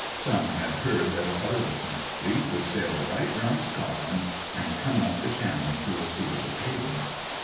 Some had heard that a part o' the French fleet would sail right round Scotland, and come up the Channel to a suitable haven.